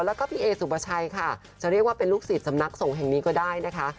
แล้วก็พี่เอสุปชัยค่ะจะเรียกว่าเป็นลูกศิษย์สำนักสงฆ์แห่งนี้ก็ได้นะคะ